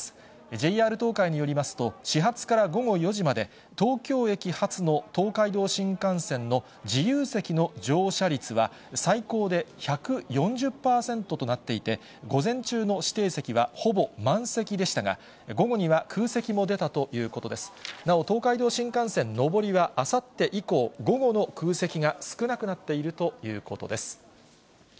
ＪＲ東海によりますと、始発から午後４時まで、東京駅発の東海道新幹線の自由席の乗車率は最高で１４０％となっていて、午前中の指定席はほぼ満席でしたが、午後には空席も出たというこあさって以降午後の空席が少なくなっているということです。